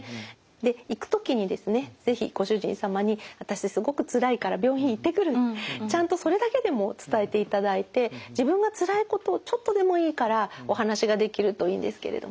で行く時にですね是非ご主人様に私すごくつらいから病院へ行ってくるってちゃんとそれだけでも伝えていただいて自分がつらいことをちょっとでもいいからお話ができるといいんですけれどもね。